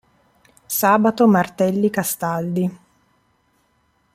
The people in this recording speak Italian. Sabato Martelli Castaldi.